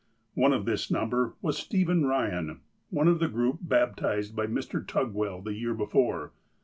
One of this number was Stephen Eyan, one of the group baptized by Mr. Tugwell the year before.